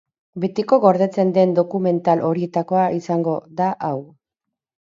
Betiko gordetzen den dokumental horietakoa izango da hau.